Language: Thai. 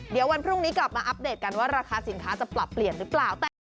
เดี๋ยววันพรุ่งนี้กลับมาอัปเดตกันว่าราคาสินค้าจะปรับเปลี่ยนหรือเปล่า